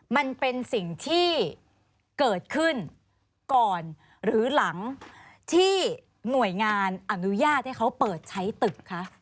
มันเป็นสิ่งที่เกิดขึ้นก่อนหรือหลังที่หน่วยงานอนุญาตให้เขาเปิดใช้ตึกคะ